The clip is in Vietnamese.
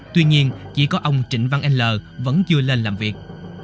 tuy nhiên chỉ có ông trịnh văn anh l vẫn chưa lên làm việc